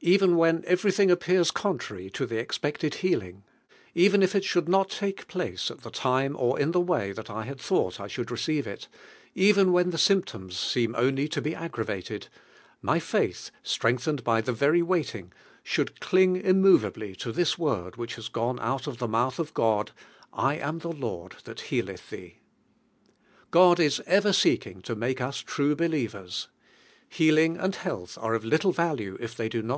Even when everything appears contrary to the ex |'n i. il healing, even if ii should not lake place lit the time or in (he way Ihal I bad thought I should receive il, even when the symptoms seem only to be aggra vated, my faith, strengthened by the very waiting, should cling immovably to Ihis word which has gone out of the mouth of God, "1 am the Lord that healeth thee." God is ever seeking (o mnke us true believers. Healing anil health are of little value if they do not.